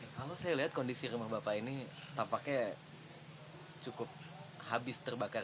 kalau saya lihat kondisi rumah bapak ini tampaknya cukup habis terbakar